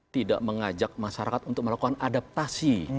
tidak mengajak masyarakat untuk melakukan adaptasi